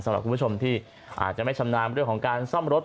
สำหรับคุณผู้ชมที่อาจจะไม่ชำนาญเรื่องของการซ่อมรถ